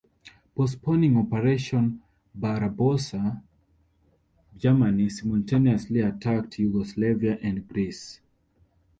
Postponing Operation Barbarossa, Germany simultaneously attacked Yugoslavia and Greece.